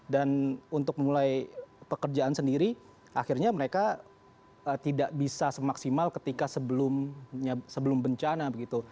dan untuk memulai pekerjaan sendiri akhirnya mereka tidak bisa semaksimal ketika sebelum bencana begitu